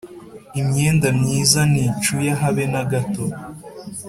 imyenda myiza nticuya habe na gato